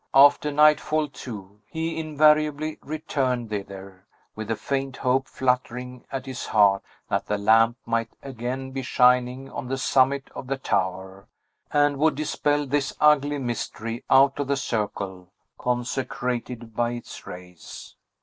After nightfall, too, he invariably returned thither, with a faint hope fluttering at his heart that the lamp might again be shining on the summit of the tower, and would dispel this ugly mystery out of the circle consecrated by its rays.